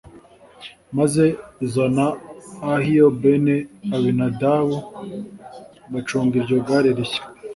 maze Uza na Ahiyo bene Abinadabu bacunga iryo gare rishya.